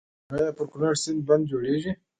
آیا پر کنړ سیند بند جوړیږي؟